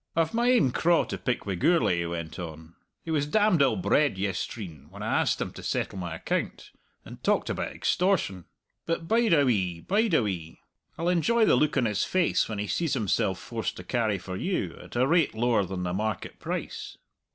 "I've my ain craw to pick wi' Gourlay," he went on. "He was damned ill bred yestreen when I asked him to settle my account, and talked about extortion. But bide a wee, bide a wee! I'll enjoy the look on his face when he sees himself forced to carry for you, at a rate lower than the market price."